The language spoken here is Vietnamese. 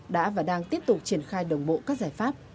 đã và đang tiếp tục triển khai đồng bộ các giải pháp